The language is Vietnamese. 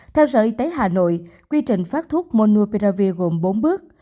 theo sở y tế hà nội quy trình phát thuốc monoperavi gồm bốn bước